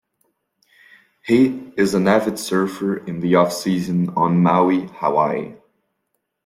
He is an avid surfer in the off season on Maui, Hawaii.